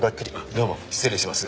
どうも失礼します。